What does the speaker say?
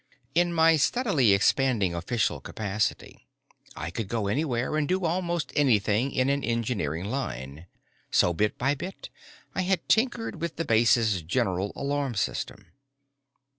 In my steadily expanding official capacity, I could go anywhere and do almost anything in an engineering line. So, bit by bit, I had tinkered with the base's general alarm system.